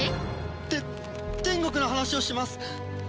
て天国の話をします。